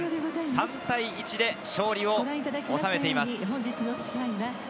３対１で勝利を収めています。